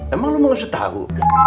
emang lo mau ngasih tahu